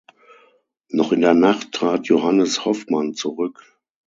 Noch in der Nacht trat Johannes Hoffmann zurück.